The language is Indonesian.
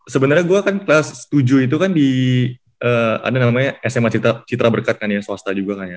sebenernya gua kan kelas tujuh itu kan di ada namanya sma citra berkat kan ya swasta juga kayaknya